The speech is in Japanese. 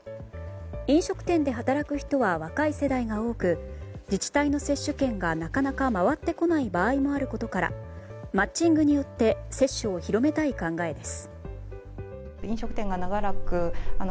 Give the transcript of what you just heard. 飲食店で働く人は若い世代が多く自治体の接種券がなかなか回ってこない場合もあることからマッチングによって接種を広めたい考えです。